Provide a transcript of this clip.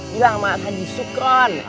bilang sama haji sukron